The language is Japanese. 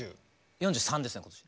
４３ですね今年。